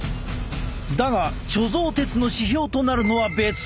だが貯蔵鉄の指標となるのは別。